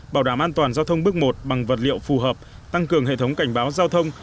bảo đảm an toàn giao thông bước một bằng vật liệu phù hợp tăng cường hệ thống cảnh báo giao thông